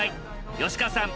吉川さん